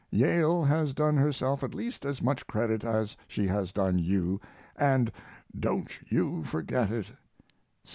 Yale has done herself at least as much credit as she has done you, and "don't you forget it."